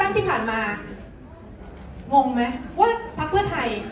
อ๋อแต่มีอีกอย่างนึงค่ะ